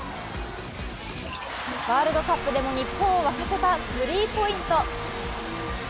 ワールドカップでも日本を沸かせたスリーポイント。